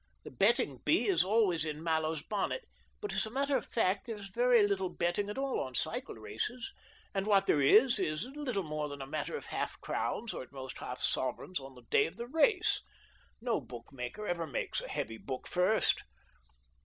The betting bee 170 THE DOBBINGTON DEED BOX is always in Mallows's bonnet, but as a matter of fact there's very little betting at all on cycle races, and what there is is little more than a matter of half crowns or at most half sovereigns on the day of the race. No bookmaker ever makes a heavy book first.